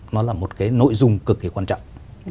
nó là một cái nội dung cực kỳ quan trọng